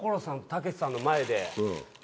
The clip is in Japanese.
たけしさんの前で。